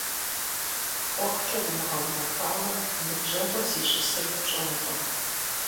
ӀуэхукӀэ умыгъэунэхуауэ ныбжьэгъур зищӀысыр пщӀэнукъым.